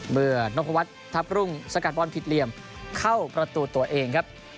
นพวัฒน์ทัพรุ่งสกัดบอลผิดเหลี่ยมเข้าประตูตัวเองครับ